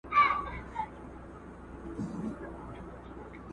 تاریخی څیړنه کولای سي حقیقت روښانه کړي.